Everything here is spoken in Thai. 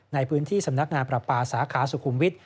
ในพื้นที่สำนักงานประปาสาขาสุขุมวิทย